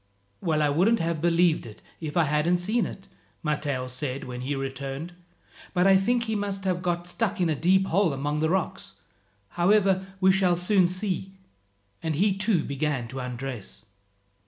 "Well, I wouldn't have believed it if I hadn't seen it," Matteo said when he returned, "but I think he must have got into a deep hole among the rocks. However, we shall soon see," and he too began to undress.